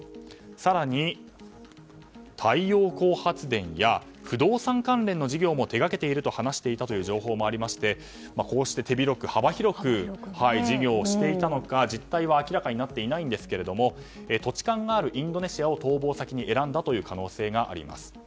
更に、太陽光発電や不動産関連の事業も手掛けていると話していたという情報もありましてこうして手広く幅広く事業をしていたのか、実態は明らかになっていないんですが土地勘があるインドネシアを逃亡先に選んだという可能性があります。